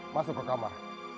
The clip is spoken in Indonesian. masuk ke kamar